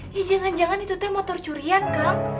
ya jangan jangan itu teh motor curian kang